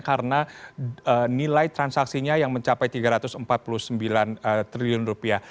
karena nilai transaksinya yang mencapai tiga ratus empat puluh sembilan triliun rupiah